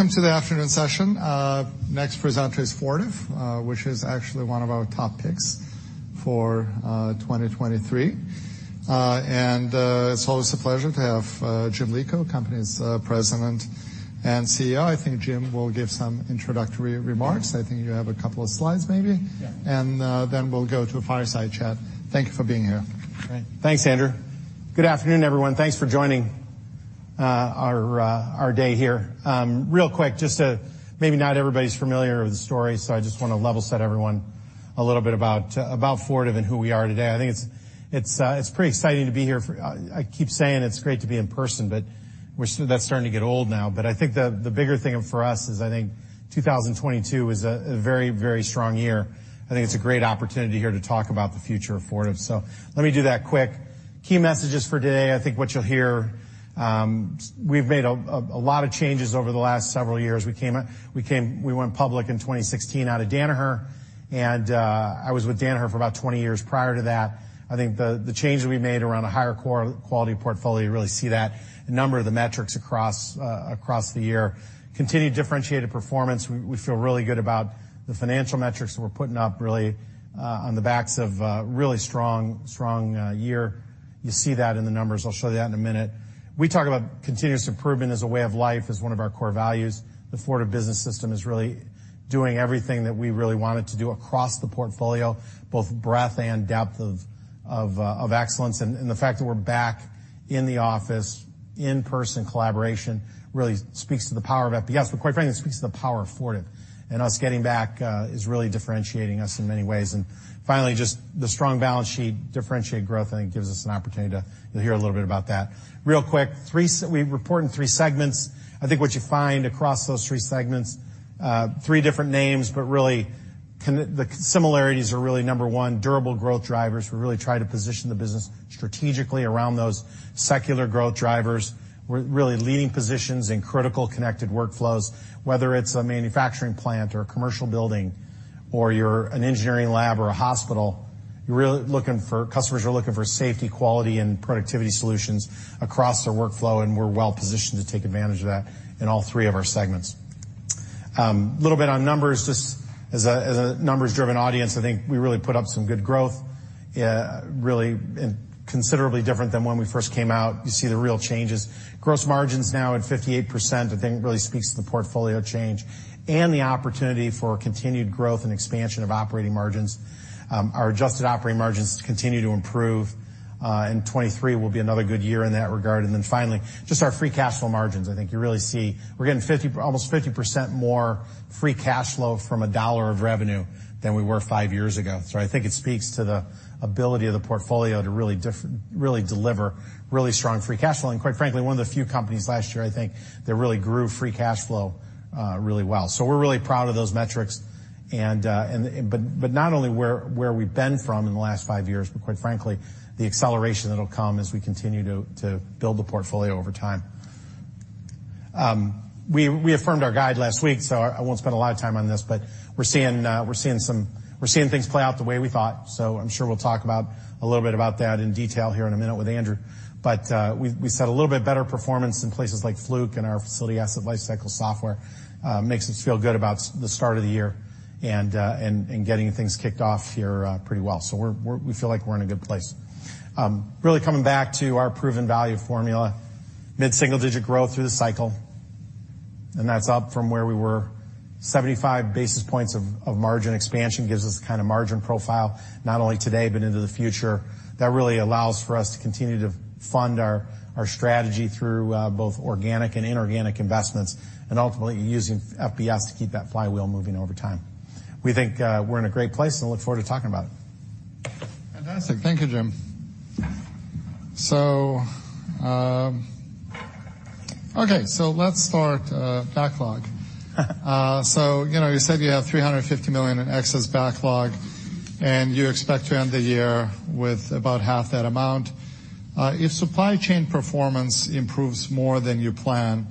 Welcome to the afternoon session. Next presenter is Fortive, which is actually one of our top picks for 2023. It's always a pleasure to have Jim Lico, company's President and CEO. I think Jim will give some introductory remarks. I think you have a couple of slides maybe. Yeah. Then we'll go to a fireside chat. Thank you for being here. Great. Thanks, Andrew. Good afternoon, everyone. Thanks for joining our day here. Real quick, just to maybe not everybody's familiar with the story, so I just wanna level set everyone a little bit about Fortive and who we are today. I think it's pretty exciting to be here for. I keep saying it's great to be in person, but that's starting to get old now. I think the bigger thing for us is I think 2022 was a very, very strong year. I think it's a great opportunity here to talk about the future of Fortive. Let me do that quick. Key messages for today, I think what you'll hear, we've made a lot of changes over the last several years. We went public in 2016 out of Danaher. I was with Danaher for about 20 years prior to that. I think the change that we made around a higher core quality portfolio, you really see that in a number of the metrics across the year. Continued differentiated performance. We feel really good about the financial metrics that we're putting up really on the backs of a really strong year. You see that in the numbers. I'll show that in a minute. We talk about continuous improvement as a way of life as one of our core values. The Fortive Business System is really doing everything that we really want it to do across the portfolio, both breadth and depth of excellence. The fact that we're back in the office, in-person collaboration really speaks to the power of FBS, but quite frankly, it speaks to the power of Fortive. Us getting back is really differentiating us in many ways. Finally, just the strong balance sheet, differentiated growth, I think gives us an opportunity to, you'll hear a little bit about that. Real quick, we report in 3 segments. I think what you find across those 3 segments, 3 different names, but really the similarities are really, number one, durable growth drivers. We really try to position the business strategically around those secular growth drivers. We're really leading positions in critical connected workflows, whether it's a manufacturing plant or a commercial building, or you're an engineering lab or a hospital, you're really looking for... customers are looking for safety, quality and productivity solutions across their workflow, and we're well-positioned to take advantage of that in all three of our segments. Little bit on numbers, just as a, as a numbers-driven audience, I think we really put up some good growth, really and considerably different than when we first came out. You see the real changes. Gross margins now at 58%, I think really speaks to the portfolio change and the opportunity for continued growth and expansion of operating margins. Our adjusted operating margins continue to improve, 2023 will be another good year in that regard. Finally, just our free cash flow margins. I think you really see we're getting 50%, almost 50% more free cash flow from a dollar of revenue than we were 5 years ago. I think it speaks to the ability of the portfolio to really deliver really strong free cash flow. Quite frankly, one of the few companies last year, I think, that really grew free cash flow really well. We're really proud of those metrics and not only where we've been from in the last 5 years, but quite frankly, the acceleration that'll come as we continue to build the portfolio over time. We affirmed our guide last week, so I won't spend a lot of time on this, but we're seeing we're seeing things play out the way we thought. I'm sure we'll talk about, a little bit about that in detail here in a minute with Andrew. We set a little bit better performance in places like Fluke and our Facility and Asset Lifecycle software, makes us feel good about the start of the year and getting things kicked off here pretty well. We feel like we're in a good place. Really coming back to our proven value formula, mid-single-digit growth through the cycle, and that's up from where we were. 75 basis points of margin expansion gives us the kind of margin profile, not only today but into the future. That really allows for us to continue to fund our strategy through both organic and inorganic investments, and ultimately using FBS to keep that flywheel moving over time. We think we're in a great place, and I look forward to talking about it. Fantastic. Thank you, Jim. Okay, let's start backlog. You know, you said you have $350 million in excess backlog, and you expect to end the year with about half that amount. If supply chain performance improves more than you plan,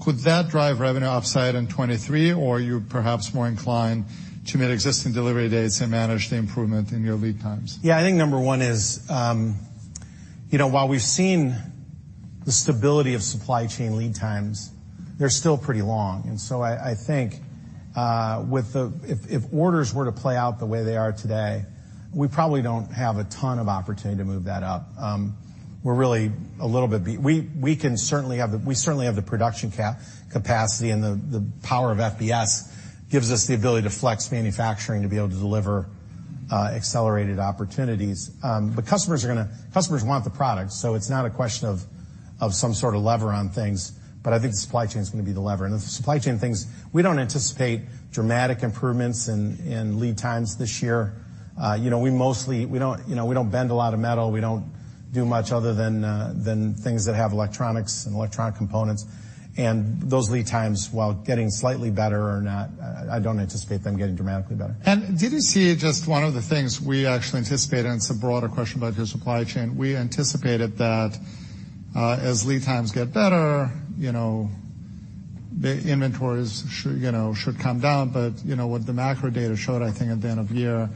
could that drive revenue upside in 2023 or are you perhaps more inclined to meet existing delivery dates and manage the improvement in your lead times? Yeah. I think number one is, you know, while we've seen the stability of supply chain lead times, they're still pretty long. I think, if orders were to play out the way they are today, we probably don't have a ton of opportunity to move that up. We're really We can certainly have the production capacity, and the power of FBS gives us the ability to flex manufacturing to be able to deliver accelerated opportunities. Customers want the product, so it's not a question of some sort of lever on things, but I think the supply chain is gonna be the lever. The supply chain things, we don't anticipate dramatic improvements in lead times this year. You know, we mostly, we don't, you know, we don't bend a lot of metal. We don't do much other than than things that have electronics and electronic components. Those lead times, while getting slightly better or not, I don't anticipate them getting dramatically better. Did you see just one of the things we actually anticipated, and it's a broader question about your supply chain. We anticipated that, as lead times get better, you know, the inventories you know, should come down. You know, what the macro data showed, I think at the end of the year,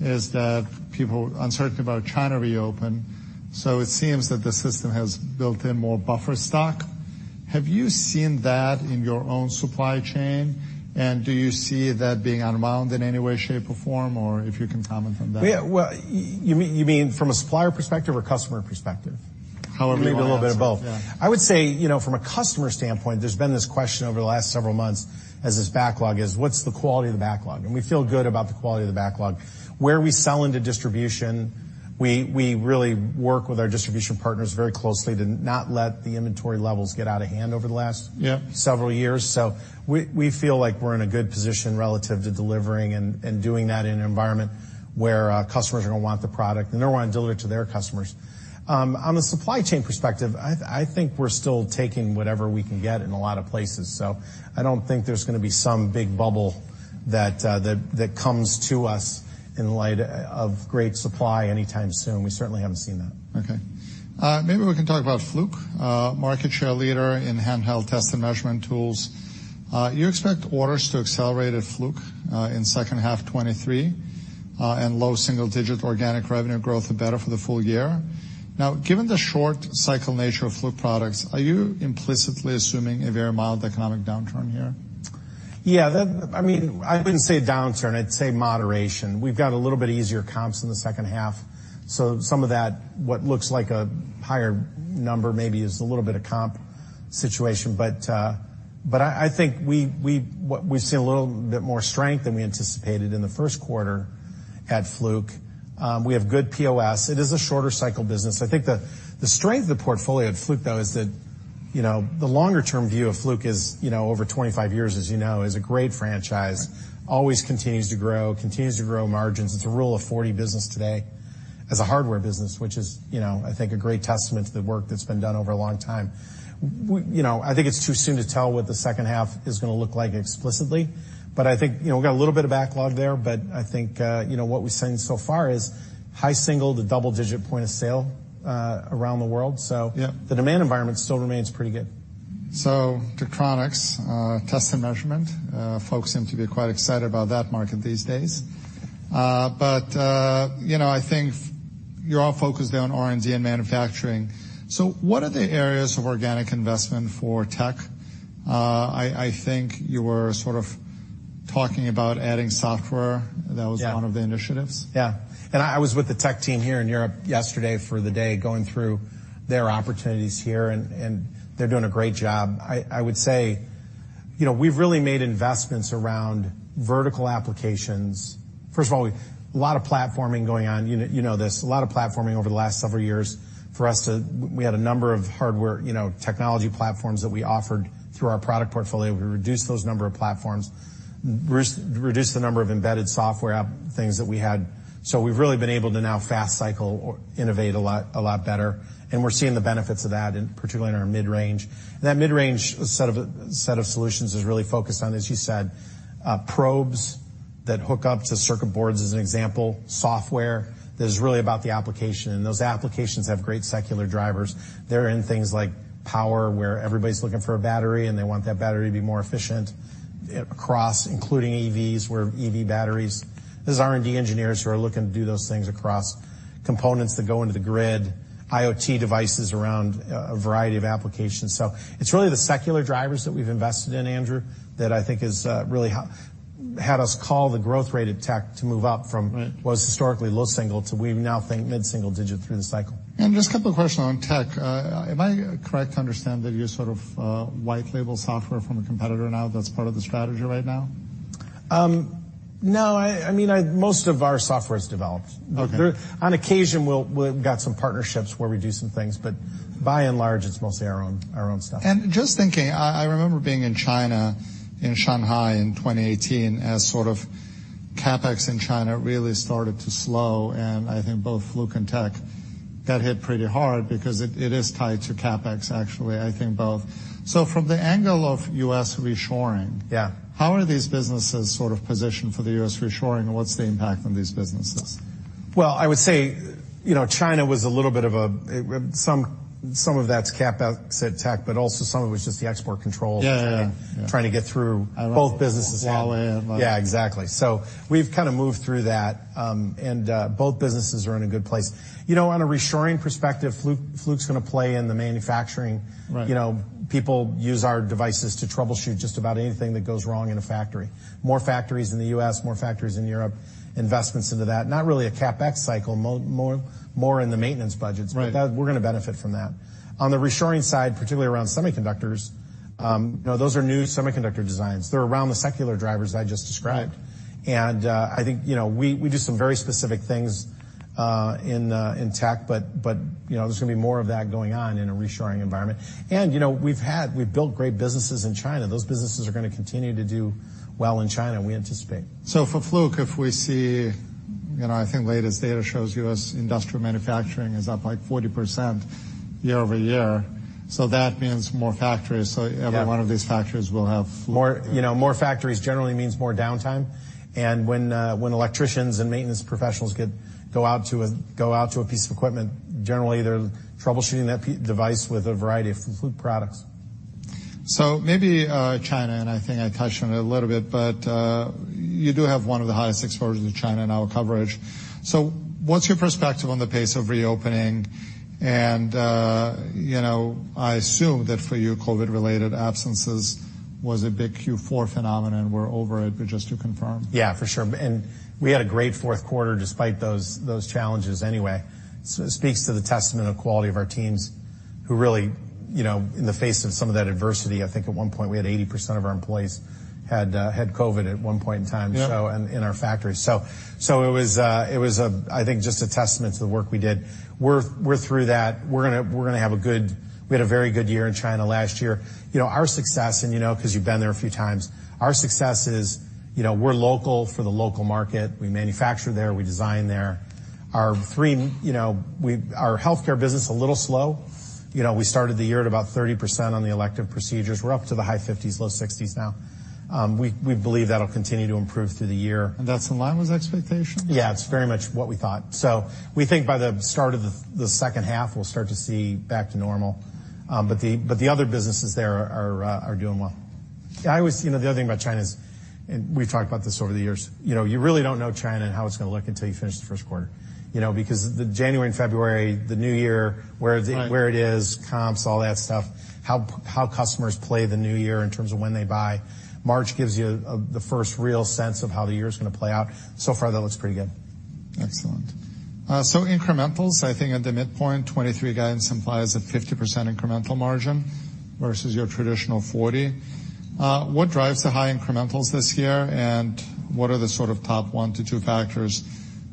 is that people were uncertain about China reopen. It seems that the system has built in more buffer stock? Have you seen that in your own supply chain? Do you see that being unwound in any way, shape, or form, or if you can comment on that? Yeah. Well, you mean from a supplier perspective or customer perspective? However you wanna answer. Maybe a little bit of both. Yeah. I would say, you know, from a customer standpoint, there's been this question over the last several months as this backlog is what's the quality of the backlog? We feel good about the quality of the backlog. Where we sell into distribution, we really work with our distribution partners very closely to not let the inventory levels get out of hand over the last. Yeah... several years. We feel like we're in a good position relative to delivering and doing that in an environment where customers are gonna want the product, and they're gonna wanna deliver it to their customers. On the supply chain perspective, I think we're still taking whatever we can get in a lot of places. I don't think there's gonna be some big bubble that comes to us in light of great supply anytime soon. We certainly haven't seen that. Maybe we can talk about Fluke, market share leader in handheld test and measurement tools. You expect orders to accelerate at Fluke in second half 2023 and low single-digit organic revenue growth or better for the full year. Given the short cycle nature of Fluke products, are you implicitly assuming a very mild economic downturn here? Yeah. That, I mean, I wouldn't say a downturn. I'd say moderation. We've got a little bit easier comps in the second half, so some of that, what looks like a higher number maybe is a little bit of comp situation. I think we've seen a little bit more strength than we anticipated in the first quarter at Fluke. We have good POS. It is a shorter cycle business. I think the strength of the portfolio at Fluke though is that, you know, the longer term view of Fluke is, you know, over 25 years, as you know, is a great franchise. Right. Always continues to grow, continues to grow margins. It's a Rule of 40 business today as a hardware business, which is, you know, I think a great testament to the work that's been done over a long time. you know, I think it's too soon to tell what the second half is going to look like explicitly, but I think, you know, we've got a little bit of backlog there, but I think, you know, what we're saying so far is high single to double digit point of sale around the world. Yeah the demand environment still remains pretty good. To Tektronix, test and measurement, folks seem to be quite excited about that market these days. You know, I think you're all focused on R&D and manufacturing. What are the areas of organic investment for tech? I think you were sort of talking about adding software. Yeah. That was one of the initiatives. Yeah. I was with the tech team here in Europe yesterday for the day, going through their opportunities here, and they're doing a great job. I would say, you know, we've really made investments around vertical applications. First of all, a lot of platforming going on. You know, you know this. A lot of platforming over the last several years for us to. We had a number of hardware, you know, technology platforms that we offered through our product portfolio. We reduced those number of platforms, reduced the number of embedded software app things that we had. We've really been able to now fast cycle or innovate a lot better, and we're seeing the benefits of that in, particularly in our mid-range. That mid-range set of solutions is really focused on, as you said, probes that hook up to circuit boards as an example, software that is really about the application, and those applications have great secular drivers. They're in things like power where everybody's looking for a battery, and they want that battery to be more efficient across, including EVs, where EV batteries. There's R&D engineers who are looking to do those things across components that go into the grid, IoT devices around a variety of applications. It's really the secular drivers that we've invested in, Andrew, that I think has had us call the growth rate of tech to move up from. Right... what was historically low single to we now think mid-single-digit through the cycle. Just a couple of questions on tech. Am I correct to understand that you sort of, white label software from a competitor now that's part of the strategy right now? no. I mean, Most of our software is developed. Okay. On occasion we've got some partnerships where we do some things, but by and large, it's mostly our own stuff. Just thinking, I remember being in China, in Shanghai in 2018 as sort of CapEx in China really started to slow, I think both Fluke and tech, that hit pretty hard because it is tied to CapEx, actually, I think both. From the angle of US reshoring. Yeah... how are these businesses sort of positioned for the U.S. reshoring? What's the impact on these businesses? Well, I would say, you know, China was a little bit of some of that's CapEx at tech, but also some of it was just the export controls. Yeah. Yeah. trying to get through both businesses. Wall in. Yeah, exactly. We've kind of moved through that, and both businesses are in a good place. You know, on a reshoring perspective, Fluke's gonna play in the manufacturing. Right. You know, people use our devices to troubleshoot just about anything that goes wrong in a factory. More factories in the U.S., more factories in Europe, investments into that, not really a CapEx cycle, more in the maintenance budgets. Right. That, we're gonna benefit from that. On the reshoring side, particularly around semiconductors, you know, those are new semiconductor designs. They're around the secular drivers I just described. Right. I think, you know, we do some very specific things, in tech, but, you know, there's gonna be more of that going on in a reshoring environment. You know, we've had, we've built great businesses in China. Those businesses are gonna continue to do well in China, we anticipate. For Fluke, if we see, you know, I think latest data shows US industrial manufacturing is up, like, 40% year-over-year, so that means more factories. Yeah. Every one of these factories will have Fluke. More, you know, more factories generally means more downtime, and when electricians and maintenance professionals go out to a piece of equipment, generally they're troubleshooting that device with a variety of Fluke products. Maybe China, and I think I touched on it a little bit, but you do have one of the highest exposures to China in our coverage. What's your perspective on the pace of reopening? You know, I assume that for you, COVID-related absences was a big Q4 phenomenon. We're over it, but just to confirm. Yeah, for sure. We had a great fourth quarter despite those challenges anyway. It speaks to the testament of quality of our teams who really, you know, in the face of some of that adversity, I think at one point we had 80% of our employees had COVID at one point in time. Yeah. And in our factory. It was, I think just a testament to the work we did. We're through that. We had a very good year in China last year. You know, our success, and, you know, 'cause you've been there a few times, our success is, you know, we're local for the local market. We manufacture there, we design there. Our three, you know, our healthcare business a little slow. You know, we started the year at about 30% on the elective procedures. We're up to the high 50s, low 60s now. We believe that'll continue to improve through the year. That's in line with expectation? Yeah, it's very much what we thought. We think by the start of the second half we'll start to see back to normal. The other businesses there are doing well. You know, the other thing about China is, and we've talked about this over the years, you know, you really don't know China and how it's gonna look until you finish the first quarter. You know, because the January and February, the New Year. Right. Where it is, comps, all that stuff. How customers play the new year in terms of when they buy. March gives you the first real sense of how the year's gonna play out. Far that looks pretty good. Excellent. Incrementals, I think at the midpoint, 2023 guidance implies a 50% incremental margin versus your traditional 40%. What drives the high incrementals this year, and what are the sort of top 1-2 factors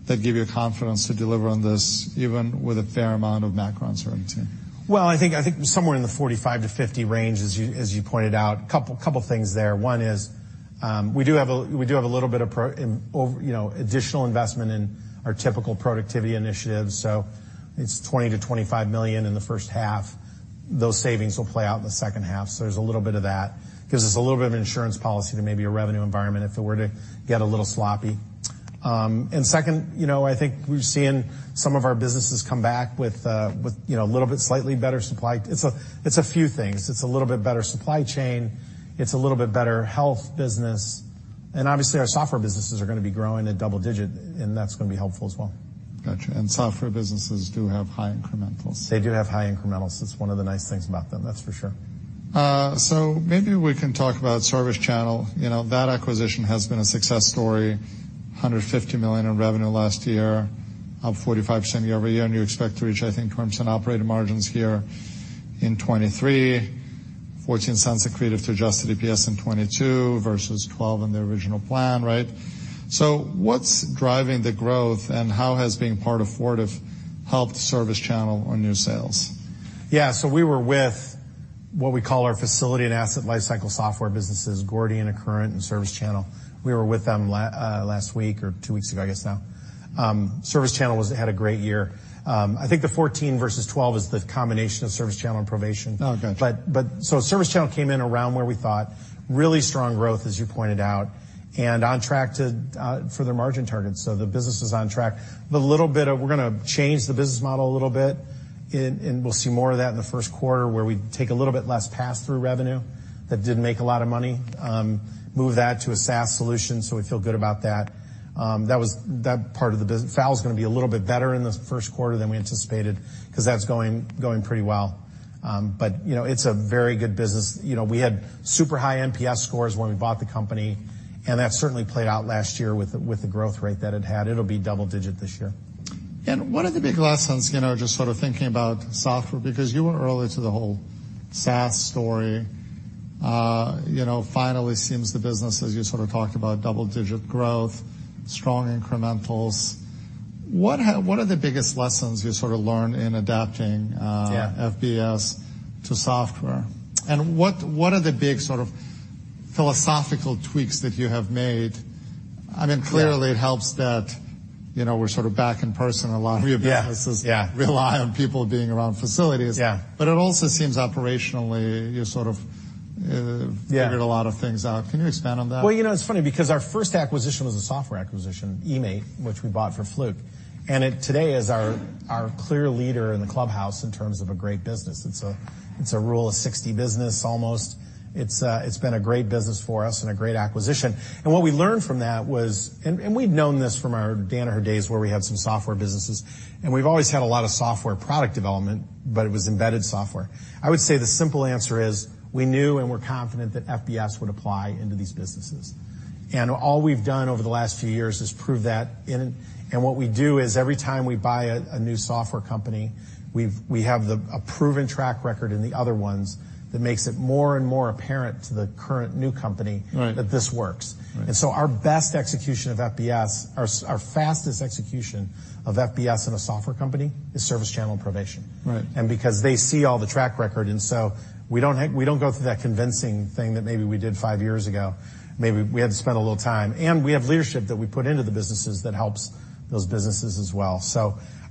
that give you confidence to deliver on this, even with a fair amount of macro uncertainty? Well, I think somewhere in the 45-50 range, as you pointed out. Couple things there. One is, we do have a little bit of, you know, additional investment in our typical productivity initiatives, so it's $20 million-$25 million in the first half. Those savings will play out in the second half, so there's a little bit of that. Gives us a little bit of insurance policy to maybe a revenue environment if it were to get a little sloppy. Second, you know, I think we've seen some of our businesses come back with, you know, a little bit slightly better supply. It's a few things. It's a little bit better supply chain. It's a little bit better health business. Obviously, our software businesses are gonna be growing at double-digit, and that's gonna be helpful as well. Gotcha. Software businesses do have high incrementals. They do have high incrementals. It's one of the nice things about them, that's for sure. Maybe we can talk about ServiceChannel. You know, that acquisition has been a success story. $150 million in revenue last year, up 45% year-over-year, and you expect to reach, I think, 10% operating margins here in 2023. $0.14 accretive to adjusted EPS in 2022 versus $0.12 in the original plan, right? What's driving the growth, and how has being part of Fortive helped ServiceChannel on new sales? We were with what we call our Facility and Asset Lifecycle software businesses, Gordian, Accruent and ServiceChannel. We were with them last week or 2 weeks ago, I guess now. ServiceChannel had a great year. I think the 14 versus 12 is the combination of ServiceChannel and Provation. Oh, gotcha. ServiceChannel came in around where we thought. Really strong growth, as you pointed out, and on track for their margin targets. The business is on track. The little bit of we're gonna change the business model a little bit, and we'll see more of that in the first quarter, where we take a little bit less passthrough revenue that didn't make a lot of money, move that to a SaaS solution, so we feel good about that. FX's gonna be a little bit better in the first quarter than we anticipated 'cause that's going pretty well. You know, it's a very good business. You know, we had super high NPS scores when we bought the company, and that certainly played out last year with the growth rate that it had. It'll be double digit this year. One of the big lessons, you know, just sort of thinking about software, because you went early to the whole SaaS story, you know, finally seems the business, as you sort of talked about, double digit growth, strong incrementals. What are the biggest lessons you sort of learned in adapting? Yeah. FBS to software? What are the big sort of philosophical tweaks that you have made? I mean? Yeah. Clearly it helps that, you know, we're sort of back in person. A lot of your businesses. Yeah, yeah. Rely on people being around facilities. Yeah. It also seems operationally you sort of... Yeah. Figured a lot of things out. Can you expand on that? Well, you know, it's funny because our first acquisition was a software acquisition, eMaint, which we bought for Fluke, and it today is our clear leader in the clubhouse in terms of a great business. It's a Rule of 60 business almost. It's, it's been a great business for us and a great acquisition. We'd known this from our Danaher days, where we had some software businesses, and we've always had a lot of software product development, but it was embedded software. I would say the simple answer is we knew and we're confident that FBS would apply into these businesses. All we've done over the last few years is prove that in. what we do is every time we buy a new software company, we have a proven track record in the other ones that makes it more and more apparent to the current new company. Right. That this works. Right. Our best execution of FBS, our fastest execution of FBS in a software company is ServiceChannel and Provation. Right. Because they see all the track record, and so we don't go through that convincing thing that maybe we did five years ago. Maybe we had to spend a little time, and we have leadership that we put into the businesses that helps those businesses as well.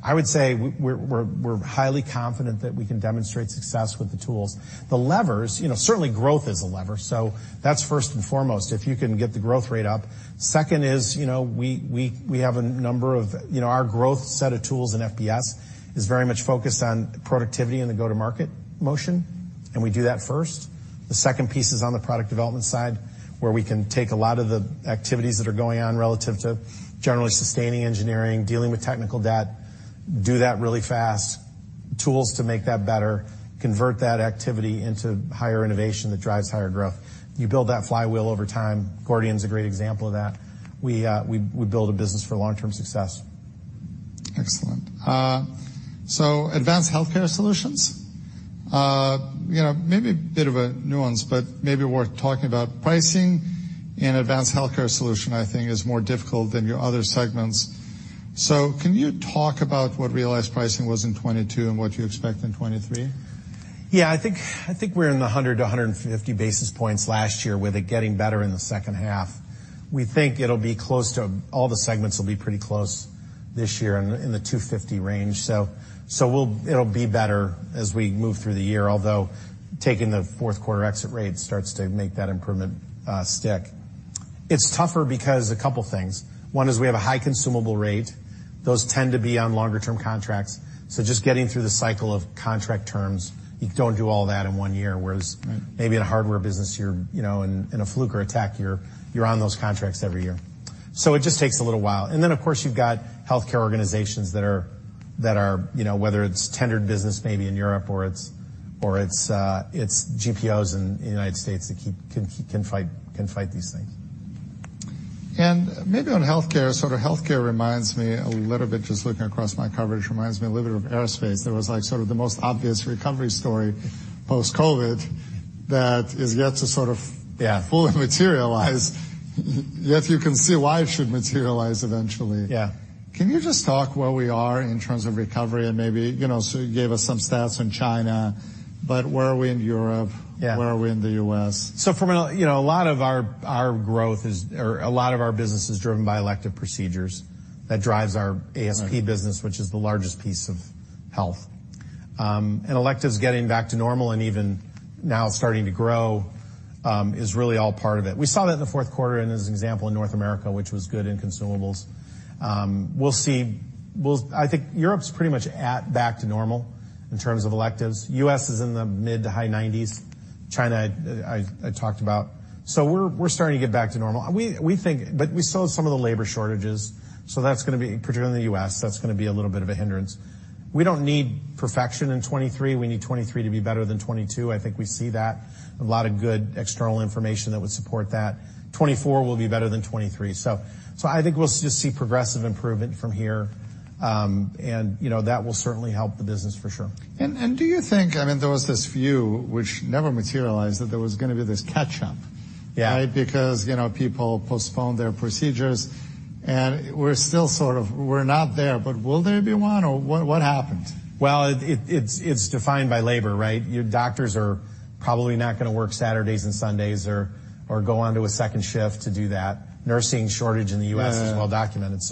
I would say we're highly confident that we can demonstrate success with the tools. The levers, you know, certainly growth is a lever, so that's first and foremost, if you can get the growth rate up. Second is, you know, we have a number of... You know, our growth set of tools in FBS is very much focused on productivity in the go-to-market motion, and we do that first. The second piece is on the product development side, where we can take a lot of the activities that are going on relative to generally sustaining engineering, dealing with technical debt, do that really fast, tools to make that better, convert that activity into higher innovation that drives higher growth. You build that flywheel over time. Gordian's a great example of that. We build a business for long-term success. Excellent. Advanced Healthcare Solutions, you know, maybe a bit of a nuance, but maybe worth talking about. Pricing in Advanced Healthcare Solutions, I think, is more difficult than your other segments. Can you talk about what realized pricing was in 2022 and what you expect in 2023? I think we're in the 100 to 150 basis points last year, with it getting better in the second half. We think it'll be close to all the segments will be pretty close this year in the 250 range. It'll be better as we move through the year, although taking the fourth quarter exit rate starts to make that improvement stick. It's tougher because a couple things. One is we have a high consumable rate. Those tend to be on longer term contracts, so just getting through the cycle of contract terms, you don't do all that in one year. Right maybe in a hardware business, you're, you know, in a Fluke or Tektronix, you're on those contracts every year. It just takes a little while. Then, of course, you've got healthcare organizations that are, you know, whether it's tendered business maybe in Europe or it's GPOs in the United States that can fight these things. Maybe on healthcare, sort of healthcare reminds me a little bit, just looking across my coverage, reminds me a little bit of aerospace. That was, like, sort of the most obvious recovery story post-COVID that is yet to. Yeah... fully materialize. You can see why it should materialize eventually. Yeah. Can you just talk where we are in terms of recovery and maybe? You know, you gave us some stats on China, but where are we in Europe? Yeah. Where are we in the U.S.? You know, a lot of our business is driven by elective procedures. That drives our ASP business- Right which is the largest piece of health. Electives getting back to normal and even now starting to grow is really all part of it. We saw that in the fourth quarter and as an example in North America, which was good in consumables. We'll see. I think Europe's pretty much at back to normal in terms of electives. U.S. is in the mid to high 90s%. China, I talked about. We're starting to get back to normal. We think. We still have some of the labor shortages, that's gonna be, particularly in the U.S., that's gonna be a little bit of a hindrance. We don't need perfection in 2023. We need 2023 to be better than 2022. I think we see that. A lot of good external information that would support that. 2024 will be better than 2023. I think we'll just see progressive improvement from here. You know, that will certainly help the business for sure. Do you think? I mean, there was this view which never materialized, that there was gonna be this catch-up. Yeah. Right? You know, people postponed their procedures, and we're still sort of, we're not there, but will there be one, or what happened? Well, it's defined by labor, right? Your doctors are probably not gonna work Saturdays and Sundays or go onto a second shift to do that. Nursing shortage in the U.S.- Yeah... is well documented.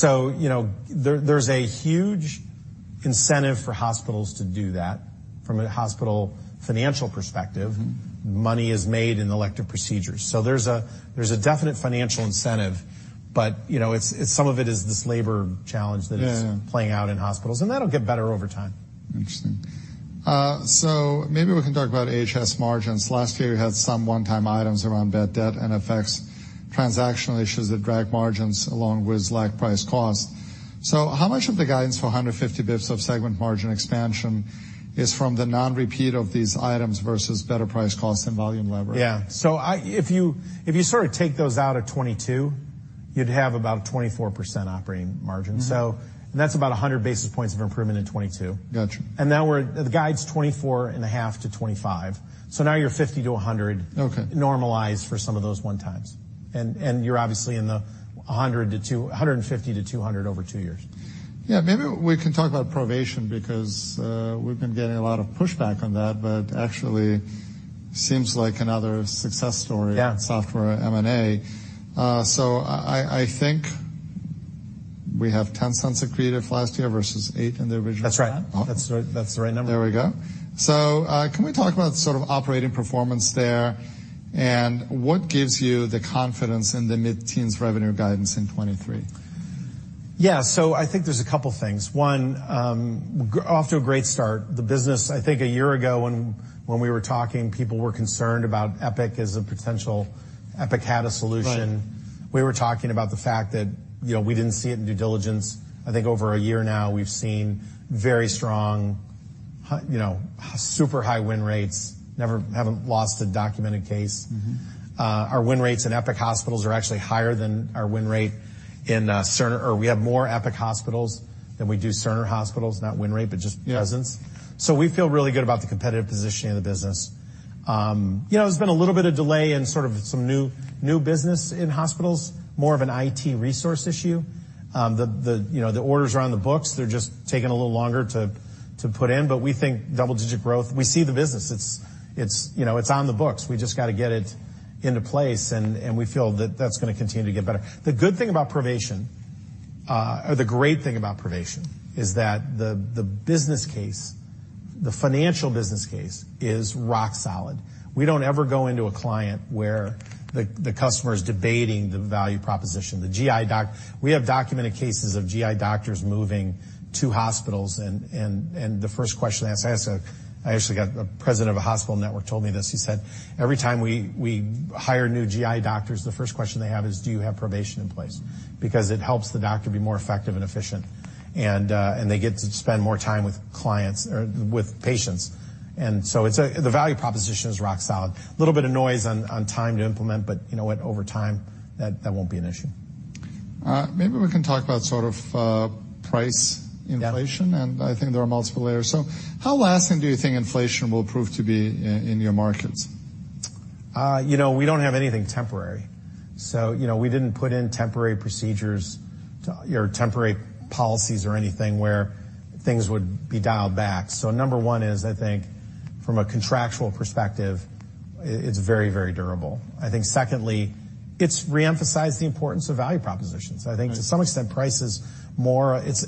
You know, there's a huge incentive for hospitals to do that from a hospital financial perspective. Mm-hmm. Money is made in elective procedures. There's a definite financial incentive, but, you know, it's some of it is this labor challenge that is. Yeah... playing out in hospitals, and that'll get better over time. Interesting. Maybe we can talk about AHS margins. Last year you had some one-time items around bad debt and FX transactional issues that dragged margins along with like price cost. How much of the guidance for 150 basis points of segment margin expansion is from the non-repeat of these items versus better price cost and volume leverage? Yeah. If you sort of take those out at 2022, you'd have about a 24% operating margin. Mm-hmm. That's about 100 basis points of improvement in 2022. Gotcha. The guide's $24.5-$25, so now you're $50-$100. Okay... normalized for some of those one times. You're obviously in the $150-$200 over 2 years. Yeah. Maybe we can talk about Provation because we've been getting a lot of pushback on that, but actually seems like another success story- Yeah... software M&A. I think we have $0.10 accretive last year versus $0.08 in the original plan. That's right. Oh. That's the right number. There we go. Can we talk about sort of operating performance there, and what gives you the confidence in the mid-teens revenue guidance in 2023? Yeah. I think there's a couple things. One, off to a great start. The business, I think a year ago when we were talking, people were concerned about Epic as a potential... Epic had a solution. Right. We were talking about the fact that, you know, we didn't see it in due diligence. I think over a year now, we've seen very strong, you know, super high win rates. Never haven't lost a documented case. Mm-hmm. Our win rates in Epic hospitals are actually higher than our win rate in Cerner, or we have more Epic hospitals than we do Cerner hospitals, not win rate, but just presence. Yeah. We feel really good about the competitive positioning of the business. You know, there's been a little bit of delay in sort of some new business in hospitals, more of an IT resource issue. The, you know, the orders are on the books. They're just taking a little longer to put in, but we think double-digit growth. We see the business. It's, you know, it's on the books. We just gotta get it into place, and we feel that that's gonna continue to get better. The good thing about Provation. The great thing about Provation is that the business case, the financial business case is rock solid. We don't ever go into a client where the customer's debating the value proposition. The GI doc. We have documented cases of GI doctors moving to hospitals and the first question they ask. I actually got the president of a hospital network told me this. He said, "Every time we hire new GI doctors, the first question they have is, 'Do you have Provation in place?'" Because it helps the doctor be more effective and efficient, and they get to spend more time with clients or with patients. It's the value proposition is rock solid. A little bit of noise on time to implement, but you know what? Over time, that won't be an issue. Maybe we can talk about sort of, price inflation. Yeah. I think there are multiple layers. How lasting do you think inflation will prove to be in your markets? you know, we don't have anything temporary. you know, we didn't put in temporary procedures or temporary policies or anything where things would be dialed back. Number one is I think from a contractual perspective, it's very, very durable. I think secondly, it's re-emphasized the importance of value propositions. I think to some extent, price is more. It's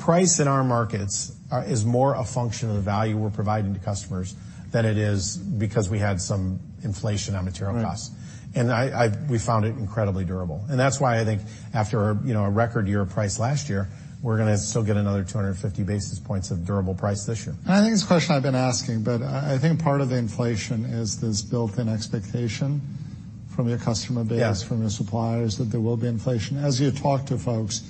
price in our markets is more a function of the value we're providing to customers than it is because we had some inflation on material costs. Right. We found it incredibly durable. That's why I think after, you know, a record year of price last year, we're gonna still get another 250 basis points of durable price this year. I think it's a question I've been asking, but I think part of the inflation is this built-in expectation from your customer base. Yeah from your suppliers that there will be inflation. As you talk to folks,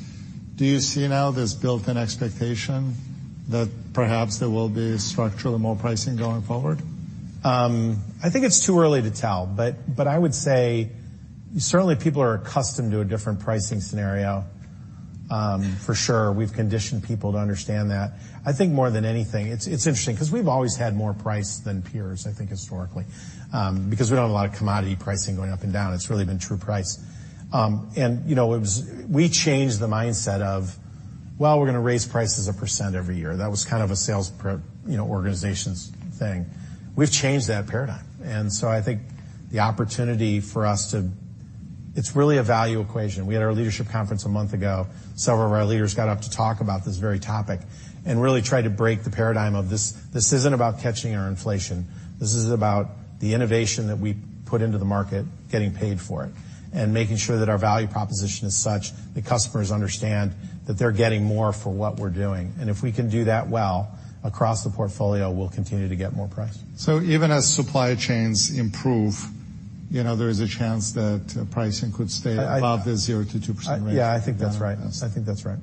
do you see now this built-in expectation that perhaps there will be structurally more pricing going forward? I think it's too early to tell. But I would say certainly people are accustomed to a different pricing scenario. For sure, we've conditioned people to understand that. I think more than anything, it's interesting because we've always had more price than peers, I think historically, because we don't have a lot of commodity pricing going up and down. It's really been true price. And, you know, we changed the mindset of, well, we're gonna raise prices 1% every year. That was kind of a sales rep, you know, organization's thing. We've changed that paradigm, I think the opportunity for us to... It's really a value equation. We had our leadership conference a month ago. Several of our leaders got up to talk about this very topic and really try to break the paradigm of this isn't about catching or inflation. This is about the innovation that we put into the market, getting paid for it, and making sure that our value proposition is such that customers understand that they're getting more for what we're doing. If we can do that well across the portfolio, we'll continue to get more price. Even as supply chains improve, you know, there's a chance that pricing could stay above the 0%-2% range? Yeah, I think that's right. Yeah. I think that's right.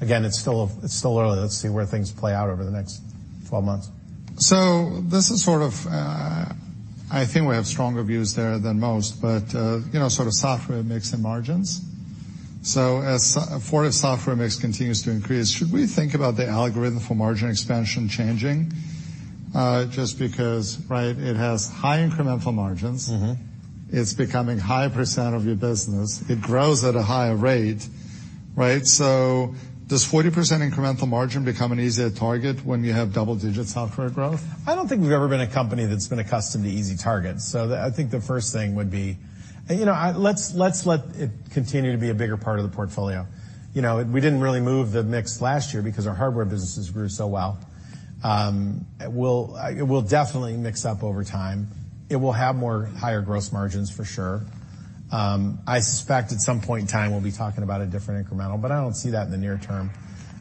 Again, it's still early. Let's see where things play out over the next 12 months. This is sort of, I think we have stronger views there than most, but, you know, sort of software mix and margins. As for if software mix continues to increase, should we think about the algorithm for margin expansion changing, just because, right, it has high incremental margins? Mm-hmm. It's becoming high % of your business. It grows at a higher rate, right? Does 40% incremental margin become an easier target when you have double-digit software growth? I don't think we've ever been a company that's been accustomed to easy targets. I think the first thing would be. You know, let's let it continue to be a bigger part of the portfolio. You know, we didn't really move the mix last year because our hardware businesses grew so well. It will definitely mix up over time. It will have more higher gross margins for sure. I suspect at some point in time we'll be talking about a different incremental, but I don't see that in the near term.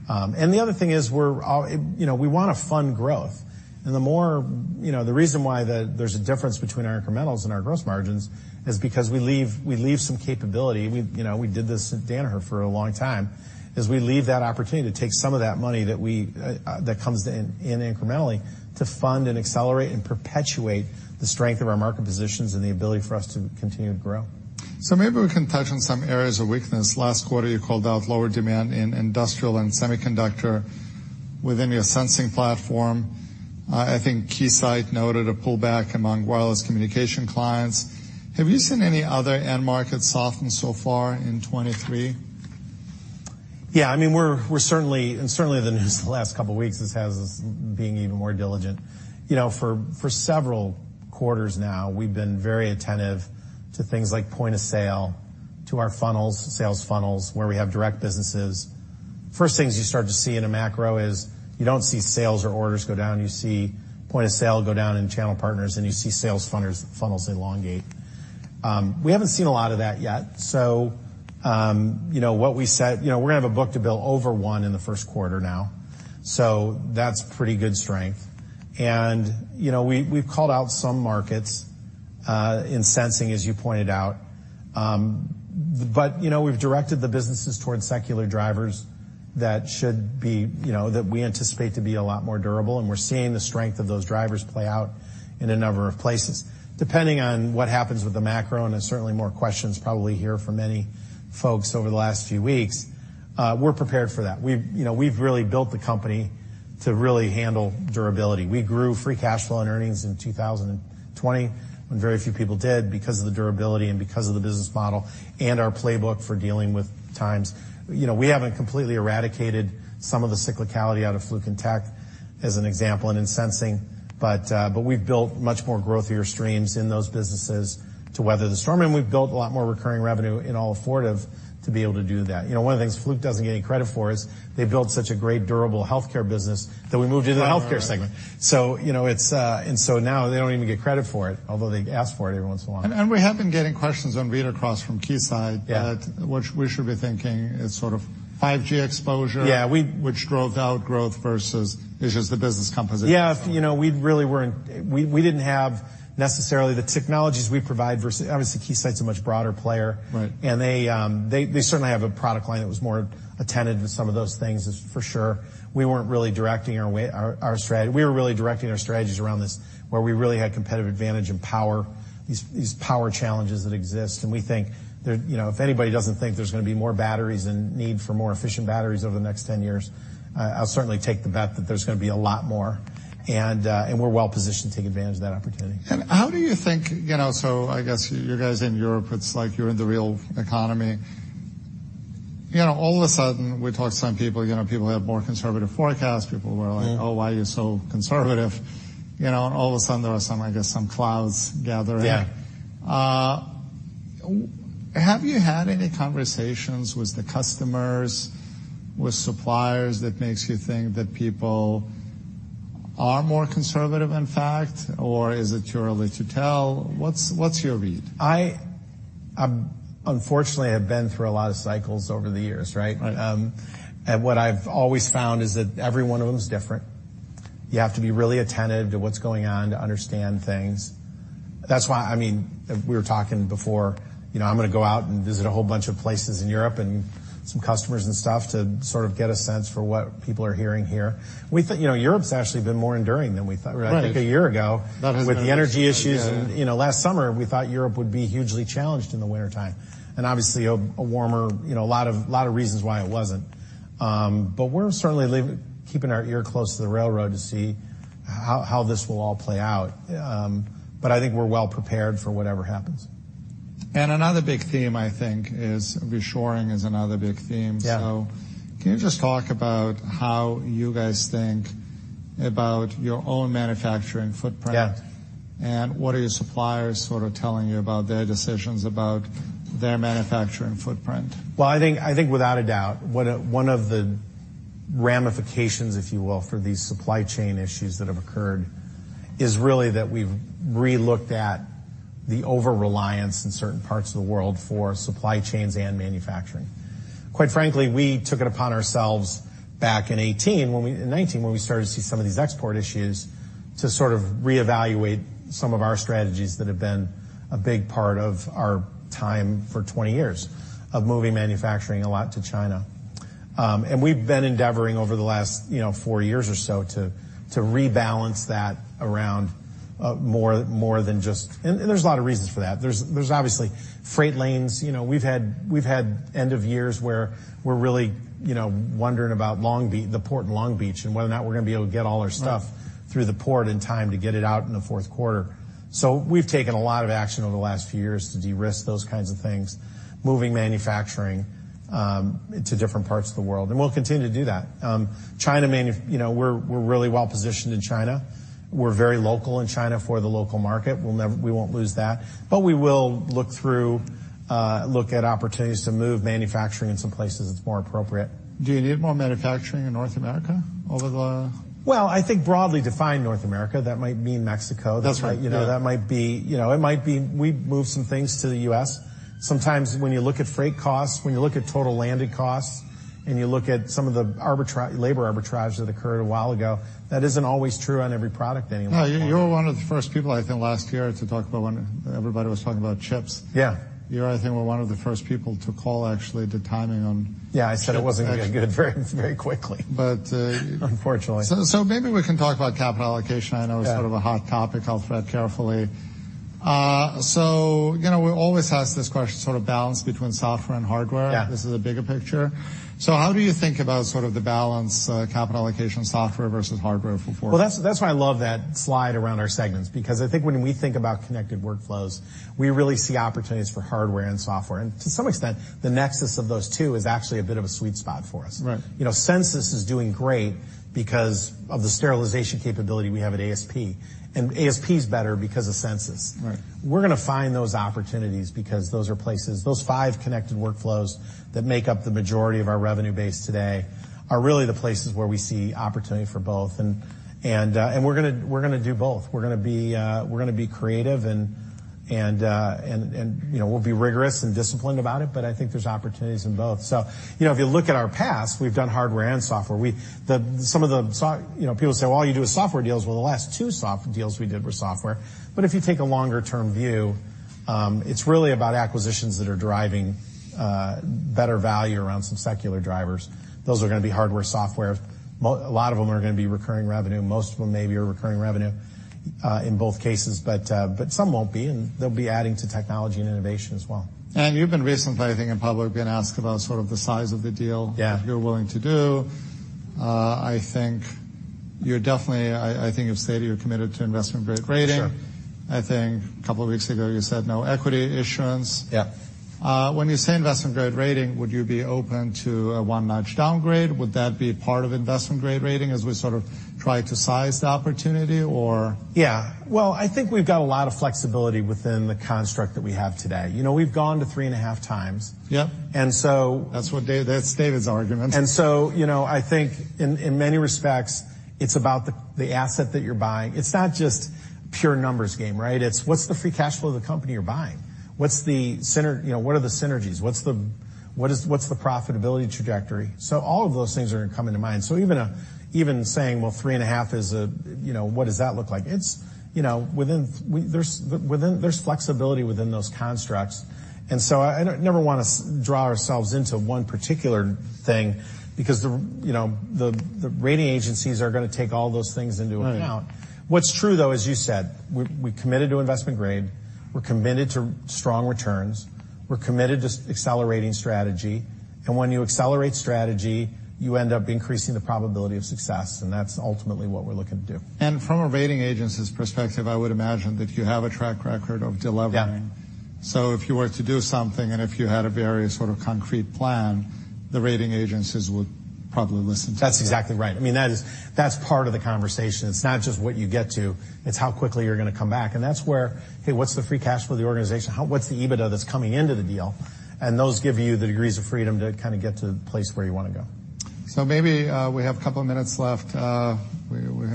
The other thing is we're all, you know, we wanna fund growth. The more... You know, the reason why the, there's a difference between our incrementals and our gross margins is because we leave some capability. We, you know, we did this at Danaher for a long time, is we leave that opportunity to take some of that money that we that comes in incrementally to fund and accelerate and perpetuate the strength of our market positions and the ability for us to continue to grow. Maybe we can touch on some areas of weakness. Last quarter, you called out lower demand in industrial and semiconductor within your Sensing platform. I think Keysight noted a pullback among wireless communication clients. Have you seen any other end markets soften so far in 2023? Yeah. I mean, we're certainly, and certainly the news the last couple weeks just has us being even more diligent. You know, for several quarters now, we've been very attentive to things like point of sale, to our funnels, sales funnels, where we have direct businesses. First things you start to see in a macro is you don't see sales or orders go down. You see point of sale go down in channel partners, and you see sales funnels elongate. We haven't seen a lot of that yet. You know, what we said, you know, we're gonna have a book-to-bill over 1 in the first quarter now, so that's pretty good strength. You know, we've called out some markets in Sensing, as you pointed out. You know, we've directed the businesses towards secular drivers that should be, you know, that we anticipate to be a lot more durable, and we're seeing the strength of those drivers play out in a number of places. Depending on what happens with the macro, and there's certainly more questions probably here for many folks over the last few weeks, we're prepared for that. We've, you know, we've really built the company to really handle durability. We grew free cash flow and earnings in 2020 when very few people did because of the durability and because of the business model and our playbook for dealing with times. You know, we haven't completely eradicated some of the cyclicality out of Fluke in tech, as an example, and in Sensing. We've built much more growthier streams in those businesses to weather the storm, and we've built a lot more recurring revenue in all of Fortive to be able to do that. You know, one of the things Fluke doesn't get any credit for is they built such a great durable healthcare business that we moved into the healthcare segment. Right, right. you know, it's. Now they don't even get credit for it, although they ask for it every once in a while. We have been getting questions on Read Across from Keysight. Yeah. that, which we should be thinking as sort of 5G exposure- Yeah. which drove out growth versus it's just the business composition. Yeah. You know, We didn't have necessarily the technologies we provide versus obviously Keysight's a much broader player. Right. They certainly have a product line that was more attentive to some of those things is for sure. We weren't really directing our strategy. We were really directing our strategies around this, where we really had competitive advantage and power, these power challenges that exist. We think that, you know, if anybody doesn't think there's gonna be more batteries and need for more efficient batteries over the next 10 years, I'll certainly take the bet that there's gonna be a lot more. We're well-positioned to take advantage of that opportunity. How do you think, you know, so I guess you guys in Europe, it's like you're in the real economy. You know, all of a sudden we talk to some people, you know, people have more conservative forecasts. Yeah.「Oh, why are you so conservative？」You know, all of a sudden there were some, I guess, some clouds gathering. Yeah. Have you had any conversations with the customers, with suppliers that makes you think that people are more conservative in fact, or is it too early to tell? What's your read? I, unfortunately have been through a lot of cycles over the years, right? Right. What I've always found is that every one of them is different. You have to be really attentive to what's going on to understand things. That's why, I mean, we were talking before, you know, I'm gonna go out and visit a whole bunch of places in Europe and some customers and stuff to sort of get a sense for what people are hearing here. We thought, you know, Europe's actually been more enduring than we thought. Right. I think a year ago. That was- with the energy issues. Yeah. You know, last summer, we thought Europe would be hugely challenged in the wintertime, and obviously a warmer, you know, lot of reasons why it wasn't. We're certainly leaving, keeping our ear close to the railroad to see how this will all play out. I think we're well prepared for whatever happens. Another big theme, I think, is reshoring is another big theme. Yeah. Can you just talk about how you guys think about your own manufacturing footprint? Yeah. What are your suppliers sort of telling you about their decisions about their manufacturing footprint? Well, I think without a doubt, one of the ramifications, if you will, for these supply chain issues that have occurred is really that we've relooked at the overreliance in certain parts of the world for supply chains and manufacturing. Quite frankly, we took it upon ourselves back in 2018 when 2019, when we started to see some of these export issues, to sort of reevaluate some of our strategies that have been a big part of our time for 20 years of moving manufacturing a lot to China. We've been endeavoring over the last, you know, 4 years or so to rebalance that around more than just... There's a lot of reasons for that. There's obviously freight lanes. You know, we've had end of years where we're really, you know, wondering about Long Beach, the port in Long Beach, and whether or not we're gonna be able to get all our stuff. Right. through the port in time to get it out in the fourth quarter. We've taken a lot of action over the last few years to de-risk those kinds of things, moving manufacturing to different parts of the world, and we'll continue to do that. You know, we're really well-positioned in China. We're very local in China for the local market. We won't lose that. We will look through, look at opportunities to move manufacturing in some places that's more appropriate. Do you need more manufacturing in North America over the- Well, I think broadly defined North America, that might mean Mexico. That's right. Yeah. You know, that might be, you know, it might be we move some things to the U.S. Sometimes when you look at freight costs, when you look at total landed costs, and you look at some of the labor arbitrage that occurred a while ago, that isn't always true on every product anymore. No, you're one of the first people, I think, last year to talk about when everybody was talking about chips. Yeah. You, I think, were one of the first people to call actually the timing. Yeah, I said it wasn't gonna get very quickly. But, uh- Unfortunately. Maybe we can talk about capital allocation. Yeah. I know it's sort of a hot topic. I'll tread carefully. you know, we always ask this question, sort of balance between software and hardware. Yeah. This is a bigger picture. How do you think about sort of the balance, capital allocation software versus hardware for Fortive? Well, that's why I love that slide around our segments, because I think when we think about connected workflows, we really see opportunities for hardware and software. To some extent, the nexus of those two is actually a bit of a sweet spot for us. Right. You know, Censis is doing great because of the sterilization capability we have at ASP. ASP is better because of Censis. Right. We're gonna find those opportunities because those are places, those five connected workflows that make up the majority of our revenue base today are really the places where we see opportunity for both. We're gonna do both. We're gonna be creative and, you know, we'll be rigorous and disciplined about it, but I think there's opportunities in both. You know, if you look at our past, we've done hardware and software. The, some of the soft... You know, people say, "Well, all you do is software deals." Well, the last two soft deals we did were software. If you take a longer-term view, it's really about acquisitions that are driving, better value around some secular drivers. Those are gonna be hardware, software. A lot of them are gonna be recurring revenue. Most of them maybe are recurring revenue in both cases. But some won't be, and they'll be adding to technology and innovation as well. you've been recently, I think, in public, been asked about sort of the size of the deal. Yeah. you're willing to do. I think you're definitely, I think you've stated you're committed to investment-grade rating. Sure. I think a couple of weeks ago you said no equity issuance. Yeah. When you say investment grade rating, would you be open to a one-notch downgrade? Would that be part of investment grade rating as we sort of try to size the opportunity or? Yeah. Well, I think we've got a lot of flexibility within the construct that we have today. You know, we've gone to 3.5 times. Yep. And so- That's David's argument. I think in many respects, it's about the asset that you're buying. It's not just pure numbers game, right? It's what's the free cash flow of the company you're buying? What are the synergies? What's the profitability trajectory? All of those things are gonna come into mind. Even saying, well, three and a half is a, you know, what does that look like? It's, you know, there's flexibility within those constructs. I never wanna draw ourselves into one particular thing because the, you know, the rating agencies are gonna take all those things into account. Right. What's true, though, as you said, we committed to investment grade, we're committed to strong returns, we're committed to accelerating strategy. When you accelerate strategy, you end up increasing the probability of success. That's ultimately what we're looking to do. From a rating agency's perspective, I would imagine that you have a track record of delevering. Yeah. If you were to do something, and if you had a very sort of concrete plan, the rating agencies would probably listen to that. That's exactly right. I mean, that's part of the conversation. It's not just what you get to, it's how quickly you're gonna come back. That's where, okay, what's the free cash flow of the organization? What's the EBITDA that's coming into the deal? Those give you the degrees of freedom to kind of get to the place where you wanna go. Maybe, we have a couple of minutes left. We have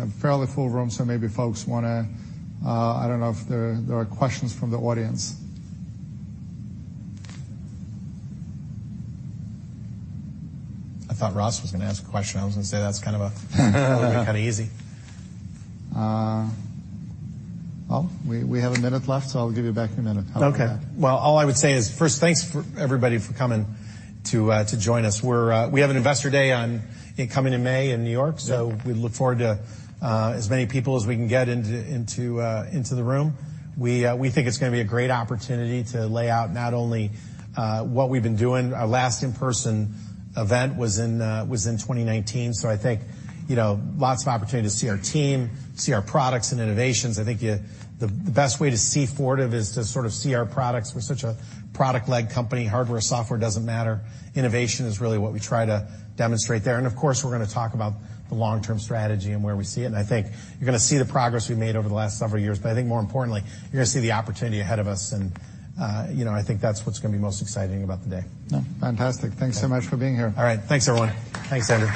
a fairly full room, so maybe folks wanna... I don't know if there are questions from the audience. I thought Ross was gonna ask a question. I was gonna say would be kind of easy. Well, we have a minute left, so I'll give you back your minute. How about that? Okay. All I would say is, first, thanks for everybody for coming to join us. We have an investor day coming in May in New York. Yeah. We look forward to as many people as we can get into the room. We think it's gonna be a great opportunity to lay out not only what we've been doing. Our last in-person event was in 2019. I think, you know, lots of opportunity to see our team, see our products and innovations. I think the best way to see Fortive is to sort of see our products. We're such a product-led company, hardware, software, doesn't matter. Innovation is really what we try to demonstrate there. Of course, we're gonna talk about the long-term strategy and where we see it. I think you're gonna see the progress we've made over the last several years. I think more importantly, you're gonna see the opportunity ahead of us. You know, I think that's what's gonna be most exciting about the day. Fantastic. Thanks so much for being here. All right. Thanks, everyone. Thanks, Andrew.